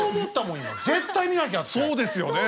そうですよね。